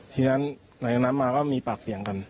ทีนั้นหนังน้ำมาก็มีปากเปลี่ยงกัน